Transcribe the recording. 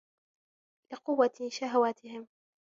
لِقُوَّةِ شَهَوَاتِهِمْ